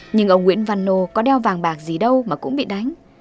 nhưng ông nguyễn văn nô có đeo vàng bạc gì đâu mà cũng bị đánh